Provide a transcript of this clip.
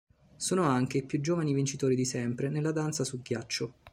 Sono anche i più giovani vincitori di sempre nella danza su ghiaccio.